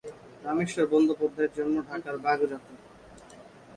রামেশ্বর বন্দ্যোপাধ্যায়ের জন্ম ঢাকার বাঘড়াতে।